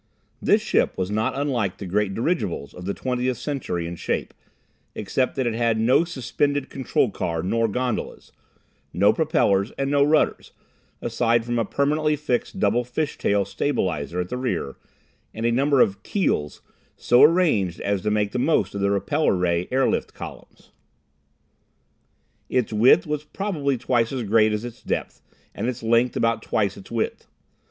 This ship was not unlike the great dirigibles of the Twentieth Century in shape, except that it had no suspended control car nor gondolas, no propellers, and no rudders, aside from a permanently fixed double fishtail stabilizer at the rear, and a number of "keels" so arranged as to make the most of the repeller ray airlift columns. Its width was probably twice as great as its depth, and its length about twice its width.